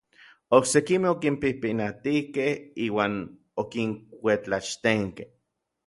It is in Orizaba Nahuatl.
Oksekimej okinpijpinatijkej iuan okinkuetlaxtenkej.